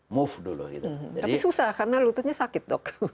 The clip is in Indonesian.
tapi susah karena lututnya sakit dok